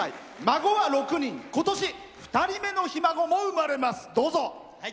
孫は６人、ことし２人目のひ孫も生まれます。